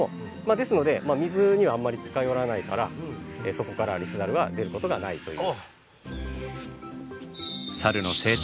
ですので水にはあんまり近寄らないからそこからリスザルは出ることがないという。